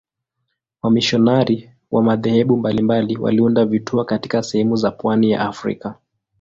Wamisionari wa madhehebu mbalimbali waliunda vituo katika sehemu za pwani ya Afrika.